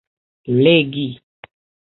legi